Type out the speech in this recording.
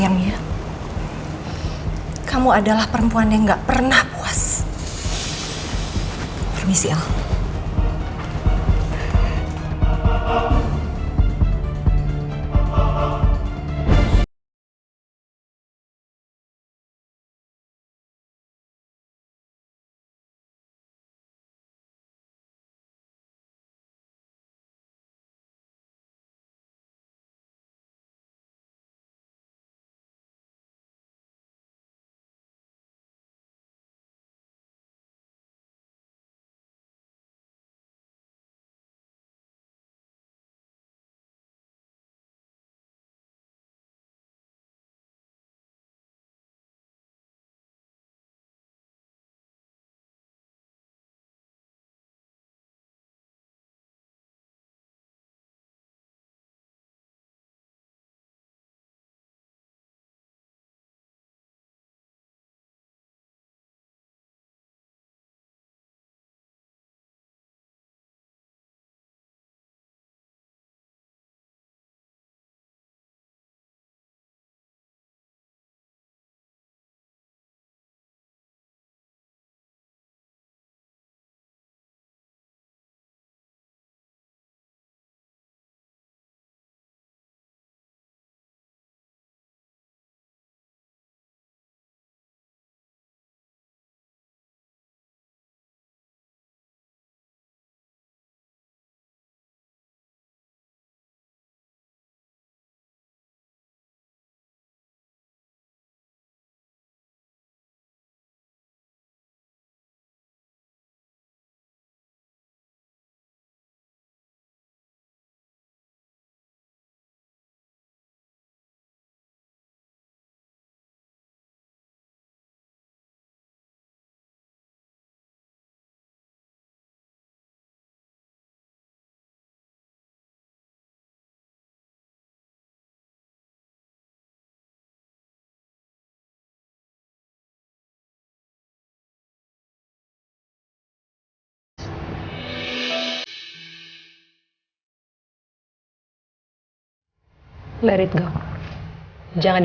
menurutmu kamu adalah perempuan yang sangat jahat